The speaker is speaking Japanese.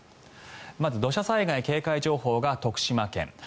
まず、土砂災害警戒情報が徳島県。